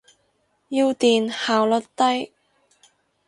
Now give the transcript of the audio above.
要電，效率低。